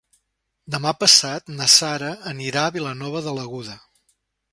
Demà passat na Sara anirà a Vilanova de l'Aguda.